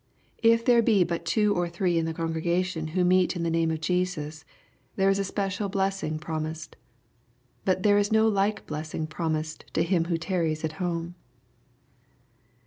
If there be but two or three in the congregation who meet in the name of Jesus, there is a special blessing promised. But there is no like blessing promised to him who tarries at home.